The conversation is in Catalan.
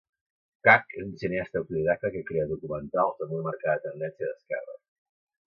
Kak és un cineasta autodidacta que crea documentals amb una marcada tendència d'esquerres.